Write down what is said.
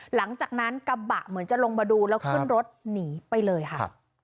หลังจากนั้นกระบะเหมือนจะลงมาดูแล้วขึ้นรถหนีไปเลยค่ะ